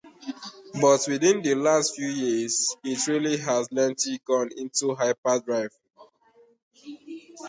but within the last few years it really has lengthy gone into hyper drive